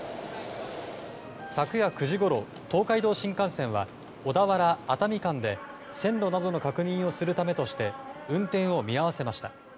昨夜９時ごろ東海道新幹線は小田原熱海間で線路などの確認をするためとして運転を見合わせました。